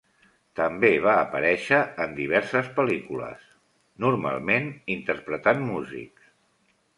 També va aparèixer en diverses pel·lícules, normalment interpretant músics.